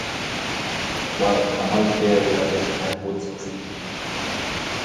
Well, I might fail where a lesser man would succeed.